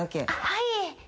はい。